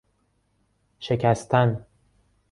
شکستن